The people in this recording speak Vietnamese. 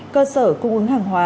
cơ sở cung ứng hàng hóa